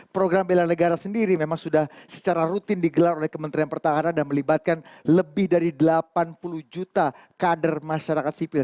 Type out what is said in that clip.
program bela negara sendiri memang sudah secara rutin digelar oleh kementerian pertahanan dan melibatkan lebih dari delapan puluh juta kader masyarakat sipil